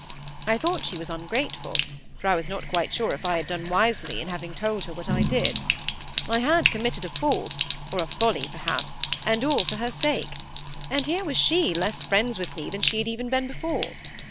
I thought she was ungrateful; for I was not quite sure if I had done wisely in having told her what I did. I had committed a fault, or a folly, perhaps, and all for her sake; and here was she, less friends with me than she had even been before.